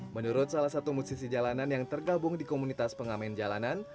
menurut salah satu musisi jalanan yang tergabung di komunitas pengamen jalanan